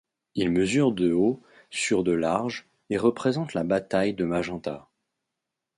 Il mesure de haut sur de large et représente la bataille de Magenta.